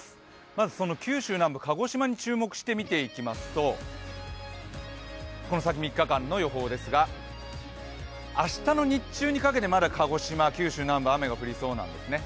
まず九州南部、鹿児島に注目して見ていきますとこの先、３日間の予報ですが明日の日中にかけてまだ鹿児島、九州南部は雨が降りそうなんですね。